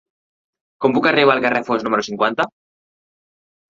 Com puc arribar al carrer de Foix número cinquanta?